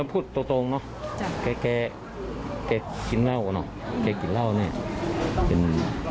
พูดตรงเนาะแกกินเหล้าเนาะแกกินเหล้าเนี่ย